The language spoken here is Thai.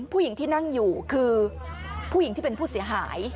ผู้หญิงที่นั่งอยู่คือผู้หญิงที่เป็นผู้เสียหาย